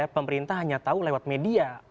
pemerintah hanya tahu lewat media